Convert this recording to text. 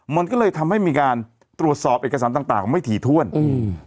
มันก็เลยทำให้มีการตรวจสอบเอกสารต่างต่างไม่ถี่ถ้วนอืม